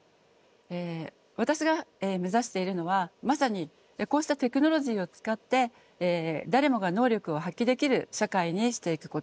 私が目指しているのはまさにこうしたテクノロジーを使って誰もが能力を発揮できる社会にしていくこと。